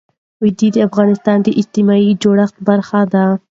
وادي د افغانستان د اجتماعي جوړښت برخه ده.